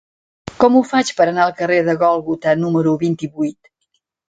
Com ho faig per anar al carrer del Gòlgota número vint-i-vuit?